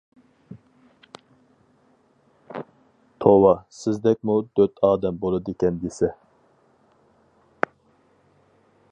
-توۋا، سىزدەكمۇ دۆت ئادەم بولىدىكەن دېسە.